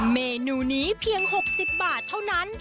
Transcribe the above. เมนูนี้เพียง๖๐บาทเท่านั้น